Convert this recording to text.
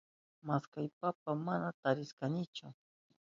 Maskashpapas mana tarishkanichu.